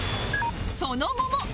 その後も